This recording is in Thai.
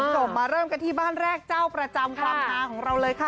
คุณผู้ชมมาเริ่มกันที่บ้านแรกเจ้าประจำความฮาของเราเลยค่ะ